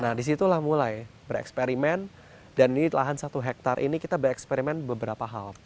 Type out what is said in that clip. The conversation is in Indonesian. nah disitulah mulai bereksperimen dan ini lahan satu hektare ini kita bereksperimen beberapa hal